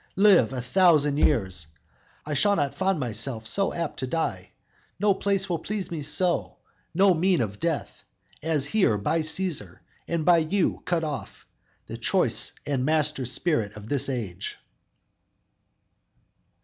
Live a thousand years, I shall not find myself so apt to die; No place will please me so, no mean of death As here by Cæsar, and by you cut off, The choice and master spirit of this age!"